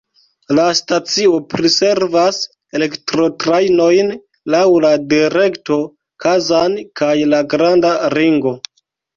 La stacio priservas elektrotrajnojn laŭ la direkto Kazan kaj la Granda Ringo.